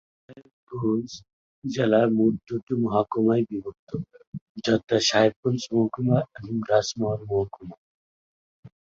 সাহেবগঞ্জ জেলা মোট দুটি মহকুমায় বিভক্ত যথাঃ সাহেবগঞ্জ মহকুমা এবং রাজমহল মহকুমা।